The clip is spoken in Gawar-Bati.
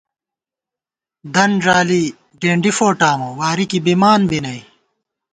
دَن ݫالی ڈېنڈی فوٹامہ واری کی بِمان بی نئ